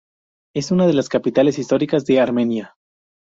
Es una de las capitales históricas de Armenia.